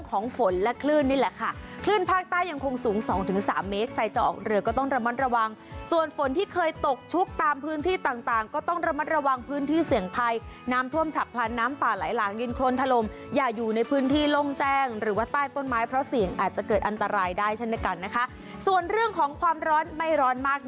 ฝนและคลื่นนี่แหละค่ะคลื่นภาคใต้ยังคงสูงสองถึงสามเมตรใครจะออกเรือก็ต้องระมัดระวังส่วนฝนที่เคยตกชุกตามพื้นที่ต่างต่างก็ต้องระมัดระวังพื้นที่เสี่ยงภัยน้ำท่วมฉับพลันน้ำป่าไหลหลากดินโครนถล่มอย่าอยู่ในพื้นที่โล่งแจ้งหรือว่าใต้ต้นไม้เพราะเสี่ยงอาจจะเกิดอันตรายได้เช่นเดียวกันนะคะส่วนเรื่องของความร้อนไม่ร้อนมาก